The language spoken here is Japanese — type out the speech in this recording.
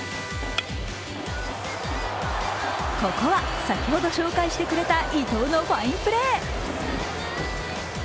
ここは先ほど紹介してくれた伊藤のファインプレー。